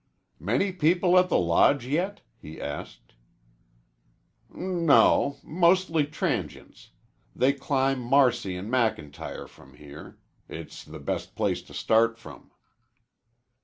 "Many people at the Lodge yet?" he asked. "N no mostly transients. They climb Marcy and McIntyre from here. It's the best place to start from."